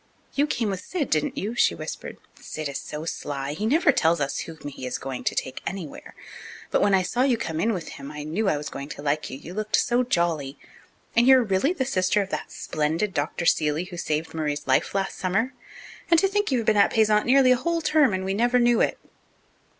"You came with Sid, didn't you?" she whispered. "Sid is so sly he never tells us whom he is going to take anywhere. But when I saw you come in with him I knew I was going to like you, you looked so jolly. And you're really the sister of that splendid Dr. Seeley who saved Murray's life last summer? And to think you've been at Payzant nearly a whole term and we never knew it!"